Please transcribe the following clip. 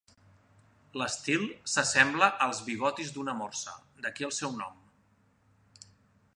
L'estil s'assembla als bigotis d'una morsa, d'aquí el seu nom.